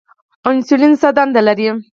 انسولین څه دنده لري؟